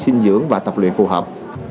sinh dưỡng và tập luyện phù hợp